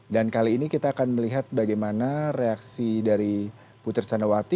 dan kali ini kita akan melihat bagaimana reaksi dari putri candrawati